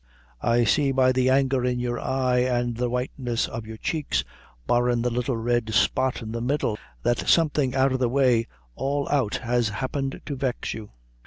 I see by the anger in your eye an' the whiteness of your cheeks, barrin' the little red spot in the middle, that something out o' the way all out has happened to vex you."